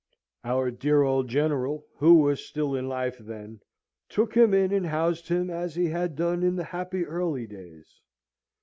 Our dear old General, who was still in life then, took him in and housed him, as he had done in the happy early days.